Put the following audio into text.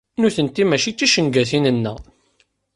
Nutenti mačči d ticengatin-nneɣ.